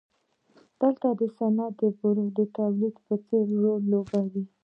دلته صنعت د بورې د تولید په څېر رول لوباوه.